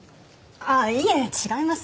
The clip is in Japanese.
ああいえ違います。